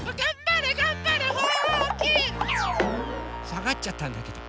さがっちゃったんだけど。